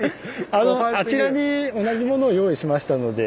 あのあちらに同じものを用意しましたので是非。